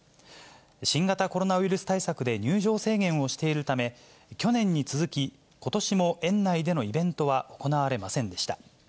新型コロナウイルス対策で、入場制限をしているため、去年に続き、ことしも園内でのイベントは行われませんでした。